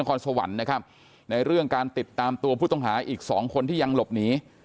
ในคดีนี้ที่สพคสวรรค์ในเรื่องการติดตามตัวผู้ต้องหาอีก๒คนที่ยังหลบหนี